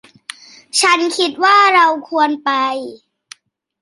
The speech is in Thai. ฉันคิดว่าเราควรไป